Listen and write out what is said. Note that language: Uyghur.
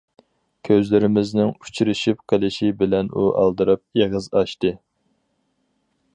كۆزلىرىمىزنىڭ ئۇچرىشىپ قىلىشى بىلەن ئۇ ئالدىراپ ئېغىز ئاچتى.